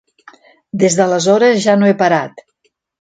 Des d'aleshores ja no he parat.